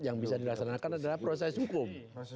yang bisa dilaksanakan adalah proses hukum